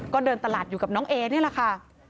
ก็เดินตลาดอยู่กับน้องเอนี่แหละค่ะ